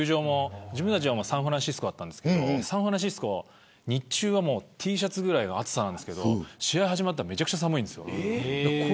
自分たちはサンフランシスコの球場だったんですけど日中はＴシャツぐらいの暑さなんですが試合が始まったらめちゃくちゃ寒いんですよ。